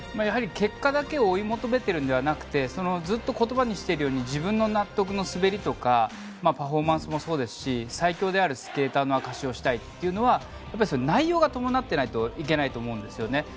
結果だけを追い求めてるのではなくてずっと言葉にしているように自分の納得の滑りとかパフォーマンスもそうですし最強であるスケーターの証しをしたいというのは内容が伴ってないといけないと思うんですよね。